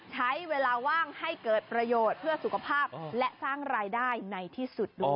ใช้เวลาว่างให้เกิดประโยชน์เพื่อสุขภาพและสร้างรายได้ในที่สุดด้วย